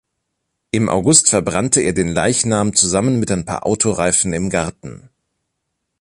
Im August verbrannte er den Leichnam zusammen mit ein paar Autoreifen im Garten.